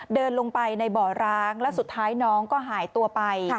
เดินลงไปในบ่อร้างแล้วสุดท้ายน้องก็หายตัวไป